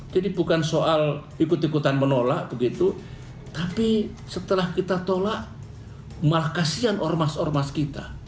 jadi bukan soal ikut ikutan menolak begitu tapi setelah kita tolak malah kasian ormas ormas kita